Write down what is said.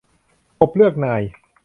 กบเลือกนาย